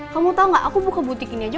kamu tau gak aku buka butik ini aja